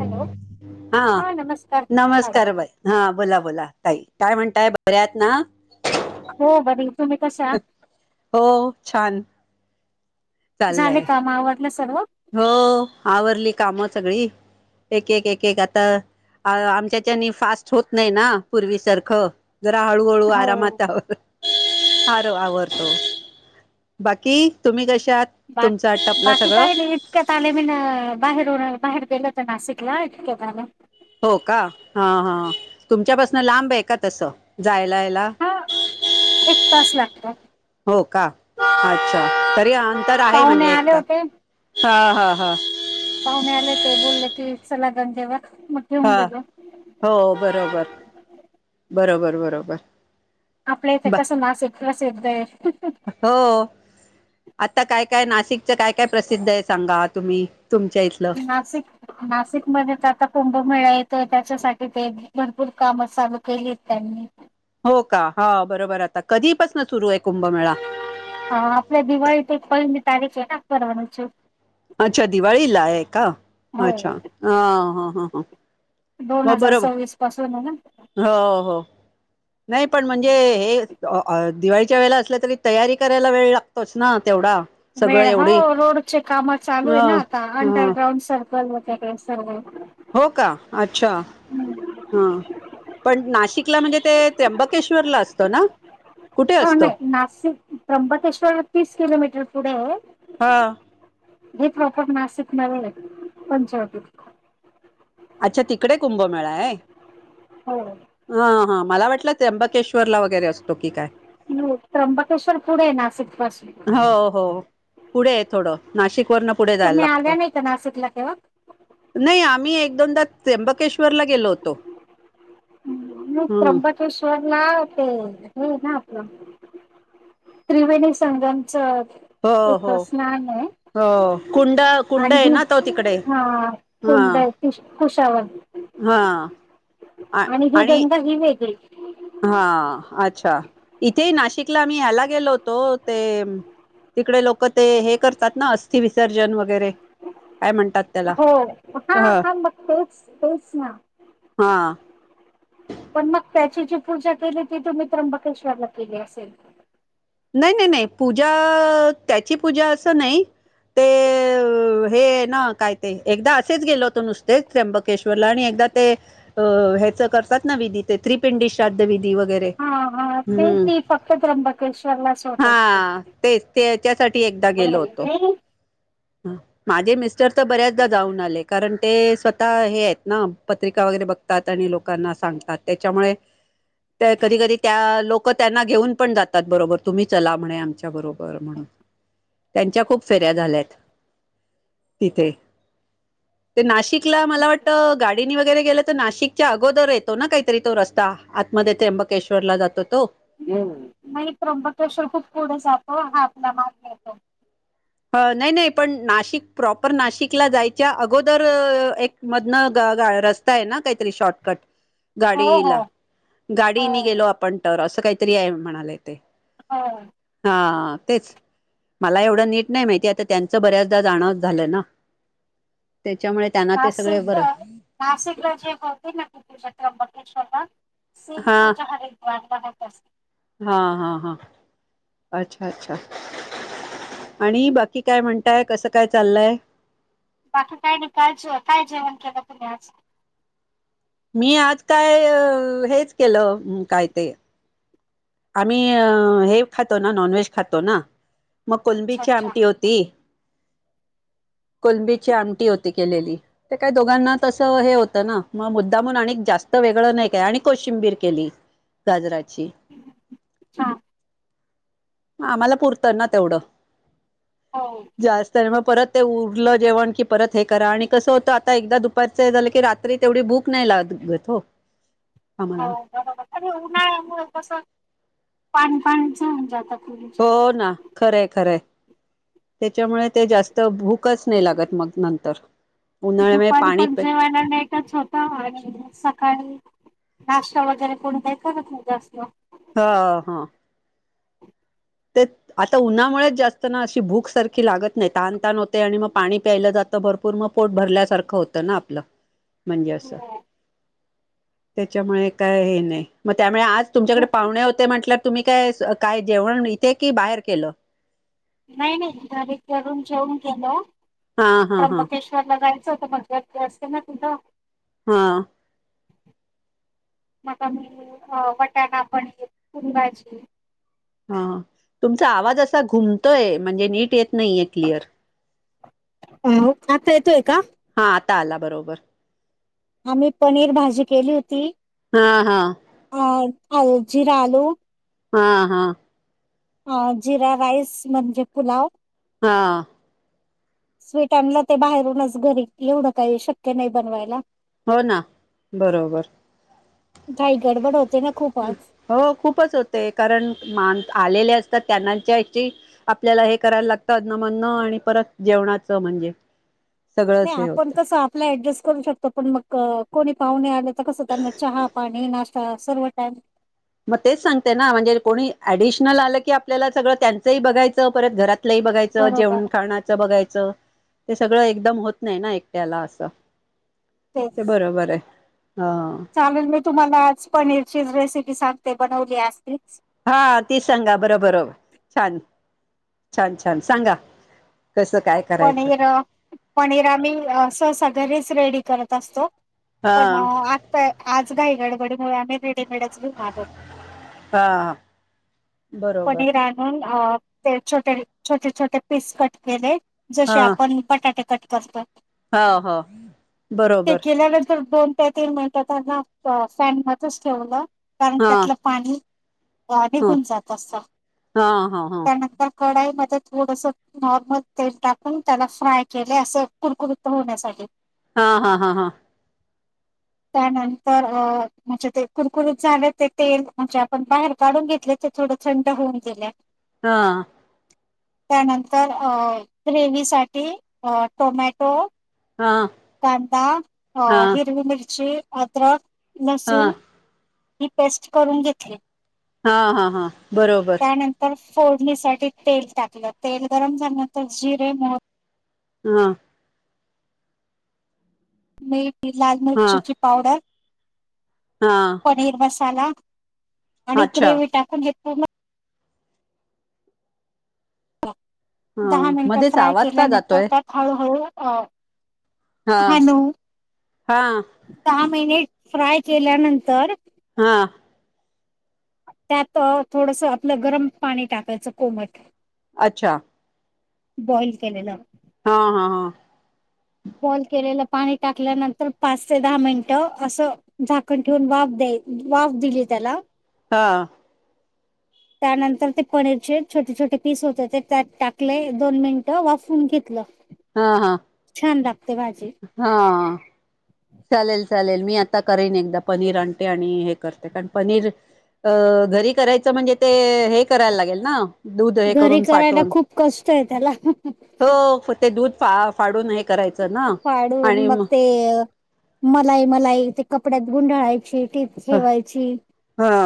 Hello आ, हा नमस्कार मॅडम नमस्कार बाई. हा बोला बोला, ताई काय म्हणताय बऱ्यात ना? हो बरी, तुमी कश्या? हो छान. झाले चाललंय काम आवरले सर्व? हो, आवरली कामं सगळी एक एक एक एक आता अ आमच्याचानी फास्ट होत नाही ना? पूर्वीसारखं. जरा हळूहळू हो आरामात आवर अहह आरु आवरतो, बाकीइ तुम्ही कशात? तुमचं आटपलं सगळं? तक्यात आले मी ना बाहेरूनं बाहेर गेलं त नाशिकला इतक्यात आलं. हो कां हां हां तुमच्यांपासून लांब आहे कां तसं जायंला येईलां. हां एक तांस लागतो. हो कां अच्छा तरी अंतर आहे पाहुणे म्हणजे एक आले तरं होते हां हां हां. पाहुणे आले ते बोलले की चलां गंगेवरं मगं हां हो बरोबर बरोबर बरोबर आपल्या इथे ब कसं नासिक कसं प्रसिद्ध आहे हो आंता कायं कायं नाशिकचं कायं कायं प्रसिद्ध आहे सांगा तुम्हीं तुमच्यां इथलं नाशिक नाशिकमध्येंचं आंता कुंभमेळां येतं त्यांच्यासाठी ते भरंपूर कामं चालूं केलीत त्यांनी हो कां हां बरोबर आंता कधीपासून सुरूं आहे कुंभमेळां हां आपले दिवाळी ते एक पहिमी तारीखे नां फरवरीची अच्छा दिवाळी लां आहे कां हो अच्छा हं हां हां हां दोन हजांर सव्वीस पासूंन आहे नां हो हो नाहीं पणं म्हणजे हे दिवाळीच्या वेळे असलं तरी तयारी करांयला वेळं लागतो लागंतोचं नां तेवढां वेळं हां रोडचे कामं चालूं आहे अ नां आंता ह अंडरग्राउंड सर्कल त्यांकडे सर्व हो कां अच्छा हां पणं नाशिकला म्हणजे ते त्र्यंबकेश्वरला असतं नां हं नाहीं नाशिक त्र्यंबकेश्वर हां तीस किलोमीटर पुढे आहे हा. हे प्रॉफट नाशिक नव्हे पंचावटीत अच्छा तिकडे कुंभमेळां आहे होयं हां हां मलां वाटलं त्र्यंबकेश्वरला वगैरें असतो की कायं त्र्यंबकेश्वर पुढे आहे नाशिक पासून हो हो पुढे आहे थोडं नाशिक वरूंन पुढे जायंला तुम्ही लागतं आल्या नाही का नाशिकला तेव्हा नाहीं आम्हीं एक दोनदां त्र्यंबकेश्वरला गेलो होतो मं हम्म. त्र्यंबकेश्वर लां ते हे आहे नां आपलं त्रिवेणी संगमचं हो एक हो स्नांन आहे हो कुंड कुंड आणि आहे ही नां तो तिकडे हां खुंश खुंशावरन हां आणि ही दंदा ही वेगळी हां अच्छा इथेही नाशिकला मी आम्हीं यांला गेलो होतो ते तिकडे लोकं ते हे करतांत नां अस्थि विसर्जन वगैरें हो हां ह हां मंग तेचं तेचं नां हां पणं मंग त्यांची जी पूजां केली ती तुम्हीं त्र्यंबकेश्वरला केली असेल नाहीं नाहीं नाहीं पूजां त्यांची पूजां असं नाहीं ते हे नां कायं ते एकदां असेच गेलो होतो नुसतेच त्र्यंबक त्र्यंबकेश्वरला आणि एकदां ते हेचं करतांत नां विधी ते त्रिपिंडी श्राद्ध विधी वगैरें हां हां ते ती फक्तं त्र्यंबकेश्वरला चं हां तेचं तेच्यांसाठी एकदां गेलो होतो हं माझे मिस्टर तर बऱ्याचदा जाऊन आले, कारण ते स्वतः हे आहेत ना पत्रिका वगैरे बघ तात आणि लोकांना सांगतात त्याच्यामुळे त्या कधी, कधी त्या लोक त्यांना घेऊन पण जातात. बरोबर तुम्ही चला म्हणे आमच्या बरोबर. बर म्हणुन त्यांच्या खूप फेऱ्या झाल्यात. तिथे ते नाशिकला मला वाटत गाडीनी वगैरे गेलं नाशिकच्या अगोदर येतो ना, काहीतरी तो रस्ता आतमध्ये त्र्यंबकेश्वरला जातो तो‌. नाही त्र्यंबकेश्वर खूप पुढं जातो, हा आपला मग येतो. नाही, नाही पण नाशिक प्रॉपर नाशिकला जायच्या अगोदर तर एक मधनं रस्ता आहे, ना काहीतरी शॉर्टकट हो हो गाडीला. हो गाडीने गेलो आपण तर असं काहीतरी आहे म्हणालेय ते. हा. हा तेच मला एवढं नीट नाही माहिती आता त्यांचं बऱ्याचदा जाणं झालं ना, त्याच्यामुळे त्यांना ते सगळे बरं नासिकला जे होते ना ते त्र्यंबकेश्वरला सेम हां, पूजा हरिद्वार मध्ये असते. हां, हां, हां अच्छा, अच्छा. आणि बाकी काय म्हणताय कसं, काय चाललंय? बाकी काय नाही काय, काय जेवण केलं तुम्ही आज? मी आज काय हेच केलं काय ते? आम्ही हे खातो ना नॉनव्हेज खातो ना, मग अच्छा कोलंबीची अच्छा आमटी होती ती कोलंबीची आमटी होती केलेली. ते काही दोघांना तसं हे होतं ना, मग मुद्दामुन आणिक जास्त वेगळं नाही काय आणि कोशिंबीर केली. गाजराची. हा. आम्हाला पुरतं ना तेवढं. हो. जास्त आहे मग परत ते उरलं जेवण की परत हे करा, आणि कसं होतं आता एकदा दुपारचं हे झालं की रात्री तेवढी भुक नाही लागत हो‌. [inaudible] हो बरोबर आणि ऊन्हाळ्यामुळ कस पाणी, पाणीच होऊन जात. हो ना खर आहे, खर आहे. त्याच्यामुळे ते जास्त भूकच नाही लागत, मग नंतर उन्हाळ्यामुळे पाणी नाही तर झोपा हॉल मध्ये सकाळी नाश्ता वगैरे कोण देत [unintelligible] जास्त. हो ह. तेच आता उन्हामुळेच जास्त ना अशी भूक सारखी लागत नाही. तहान तहान होते आणि मग पाणी प्यायला जात भरपूर मग पोट भरल्यासारखं होतं ना आपलं. [inaudible] म्हणजे असं हो. त्याच्यामुळे काय हे नाही? मग त्यामुळे आज तुमच्याकडे पाहुणे होते म्हटल्या तुम्ही काय, काय जेवण इथे की बाहेर केलं? नाही नाही घरी करून जेवून गेलो. हा हा हा त्र्यंबकेश्वरला जायचं होत गर्दी ते असते ना तिथे. हा [unintelligible] वटाणा पण [unintelligible] भाजी हा तुमचा आवाज असा घुमतोय, म्हणजे नीट येत नाहीये क्लिअर. [unintelligible] आता येतोय का? हा आता आला बरोबर. आम्ही पनीर भाजी केली होती. हा -हा अ आ जिरा आलू हा- हा. ह जिरा राईस म्हणजे पुलाव. हा स्वीट आणल ते बाहेरूनच घरी येवढ काही शक्य नाही बनवायला. हो ना बरोबर घाई गडबड होते ना खूप आज. हो खूपच होते कारण मान आलेले असतात त्यांनाच जायची आपल्याला हे करायला लागत अ नमनन आणि परत जेवणाच म्हणजे नाही सगळंच हे आपण होतं कस आपला ऍडजस्ट करू शकतो पण मग कोणी पाहुणे आले. तर कस त्यांना चहा पाणी नाष्टा सर्व टाईम मग तेच सांगते ना म्हणजे कोणी ऍडिशनल आल की आपल्याला सगळ त्यांचही बघायच परत घरात घरातलही बघायच जेवण बरोबर खाण्याच बघायच. ते सगळ एकदम होत नाही ना एकट्याला अस ते तेच बरोबराय. हा. चालेल मी तुम्हाला आज पनीरची रेसिपी सांगते बनवली आज तिच. हा ती सांगा बर- बर छान छान -छान सांगा. कसं काय करायचं पनीर- पनीर आम्ही सहसा घरीच रेडी करत असतो. पण हा आजता आज काय गडबडीमुळे आम्ही रेडीमेड घेऊन आलो. हा बरोबर पनीर आणि ते छोटे छोटे छोटे पीस कट केले. जसे हा आपण बटाटे कट करतो हो हो ते बरोबर केल्यानंतर दोन त्या तीन मिनिट त्यांना पॅन मधेच ठेवल कारण हा त्यातल पाणी ह निघून जात असत हा हा हा त्यानंतर कढाई मध्ये थोडस नॉर्मल तेल टाकून त्याला फ्राय केले अस कुरकुरत होण्यासाठी. हा- हा- हा- हा. [inaudible] त्यानंतर अ म्हणजे ते कुरकुरूत झाले ते तेल म्हणजे आपण बाहेर काढून घेतले. ते थोड थंड होऊन गेले. हा त्यानंतर ग्रेवी साठी टोमॅटो हा कांदा हिरवी मिरची अद्रक हा लसूण. ही पेस्ट करून घेतली. हा हा हा बरोबर. नंतर फोडणीसाठी तेल टाकल तेल गरम झाल्यानंतर जिरे, मोहरी हा [unintelligible] लाल हा मिर्चची पावडर. हा पनीर मसाला आणि अच्छा ग्रेव्ही टाकून हे पूर्ण हा दहा मिनट मध्येच फ्राय आवाज का केल्यानंतर जातोय त्यात हळू हळू अ हा हॅलो. हा दहा मिनिट फ्राय केल्यानंतर हा. त्यात थोडसं आपलं गरम पाणी टाकायचं कोमट. अच्छा? बॉइल केलेलं. हा, हा, हा. बॉईल केलेलं पाणी टाकल्यानंतर, पाच ते दहा मिनिटं असं झाकण ठेवून वाफ द्याय वाफ दिली त्याला हा. त्यानंतर ते पनीरचे छोटे, छोटे पीस होते ते, त्यात टाकले दोन मिनिट वाफून घेतलं. हा, हा, छान लागते भाजी हा, हा. चालेल, चालेल मी आता करेन एकदा, पनीर आणते आणि हे करते कारण पनीर अ घरी करायचं म्हणजे ते, हे करायला लागेल ना? दूध हे घरी करून, करायला फाटून खूप कष्ट आहे त्याला हो ते दूध फा फाडून हे करायचं ना आणि मग ते मलाई, मलाई ते कपड्यात गुंडळायची टीप ठेवायची हा.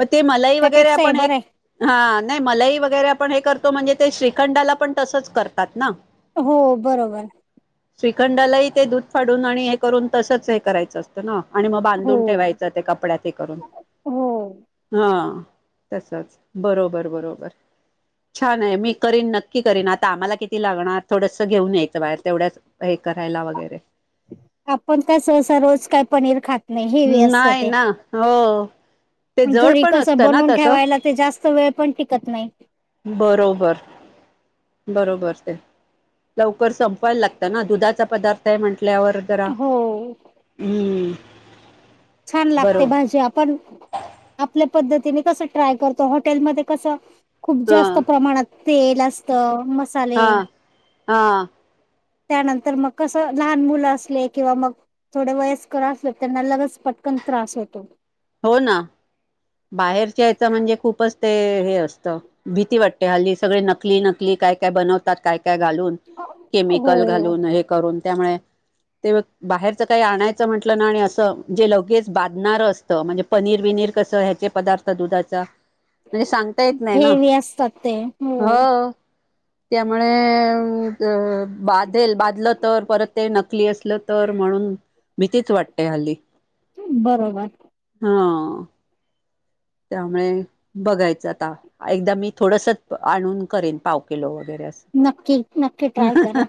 मग ते मलाई वगैरे, त्यापेक्षा हे आपण बरं एक आहे हा, नाही मलई वगैरे आपण हे करतो म्हणजे, ते श्रीखंडाला पण तसंच करतात ना? हो बरोबर. श्रीखंडालाही ते दूध फाडून आणि हे करून तसंच हे करायचं असत- ना आणि मग हो बांधून ठेवायचं, ते कपड्या हे करून. हो. हा, तसच बरोबर, बरोबर. छान हाय, मी करीन, नक्की करीन, आता आम्हाला किती लागणार, थोडंसं घेऊनचं बाहेर तेवढच हे करायला वगैरे. आपण काय सहसा रोज काय पनीर खात नाही हेवी असतं नाही ते ना, हो. ते जड घरी पण कसं असतं ना बनून तसं ठेवायला, ते जास्त वेळ पण टिकत नाही. बरोबर. बरोबर ते लवकर संपवायला लागतं ना, दुधाचा पदार्थ आहे म्हटल्यावर. हो. हं. छान लागते भाज्या आपण आपल्या पद्धतीने कस ट्राय करतो, हॉटेलमध्ये कस खूप जास्त हां प्रमाणात तेल असत, मसाले. हां हां त्यानंतर मग कसं लहान मुलं असले किंवा मग थोडे वयस्कर असल त्यांना लगेच पटकन त्रास होतो. हो ना, बाहेरच्या यायच म्हणजे, खूपच ते हे असतं, भीती वाट हल्ली सगळी नकली नकली, काय काय बनवात, काय काय घालून केमिकल हो घालून. करून त्यामुळे ते बग, बाहेरच काही आणायचं म्हंटलं ना आणि असं जे लगेच बांधणारच. म्हणजे, पनीर विनीर कसं ह्याचे पदार्थ दुधाचा म्हणजे सांगता येत नाही ना, हेवी असतात ते हो. त्यामुळे बाधेल, बाधलं तर परत ते नकली असलं तर म्हणून भितेचं वाटतं हल्ली. बरोबर. हा त्यामुळे बघायचं आता. एकदा मी थोडसं आणून करेलं पाव किलो वगैरे असं. नक्की नक्की ट्राय करा.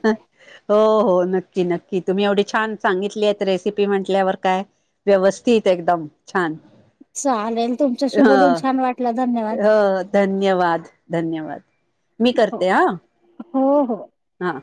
हो हो नक्की - नक्की तुम्ही एवढी छान सांगितली आहेत रेसिपी, म्हटल्यावर काय? व्यवस्थित एकदम छान. चालेल तुमच्याशी ह बोलून छान वाटलं धन्यवाद. हो धन्यवाद, धन्यवाद, मी हो करते हा. हो हो. हा.